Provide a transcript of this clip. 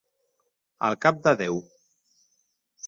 Al cap de Déu.